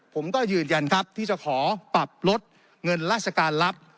ผมก็ยืนยันครับที่จะขอปรับลดเงินราชการลับ